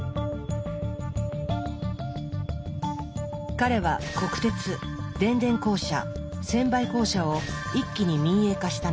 彼は国鉄電電公社専売公社を一気に民営化したのです。